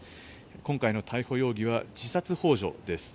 今回の逮捕容疑は自殺ほう助です。